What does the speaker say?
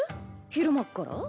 昼間っから？